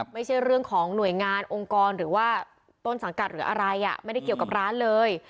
ไม่ใช่เรื่องของหน่วยงานองค์กรหรือว่าต้นสังกัดหรืออะไรไม่ได้เกี่ยวกับร้านเลย